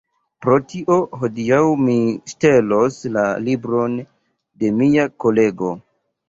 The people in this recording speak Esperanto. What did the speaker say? Pro tio, hodiaŭ mi ŝtelos la libron de mia kolego